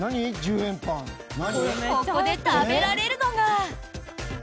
ここで食べられるのが。